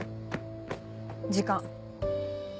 時間。